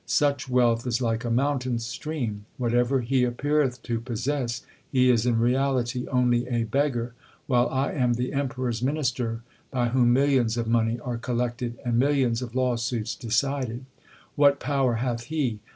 Such wealth is like a mountain stream. Whatever he appeareth to possess, he is in reality only a beggar, while I am the Emperor s Minister by whom millions of money are collected and millions of law suits decided. What power hath he